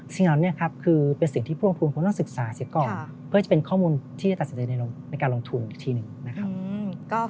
สิ่งเหล่านี้ครับคือเป็นสิ่งที่ผู้ลงทุนควรต้องศึกษาเสียก่อนเพื่อจะเป็นข้อมูลที่จะตัดสินใจในการลงทุนอีกทีหนึ่งนะครับ